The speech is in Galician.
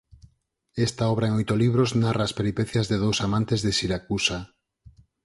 Esta obra en oito libros narra as peripecias de dous amantes de Siracusa.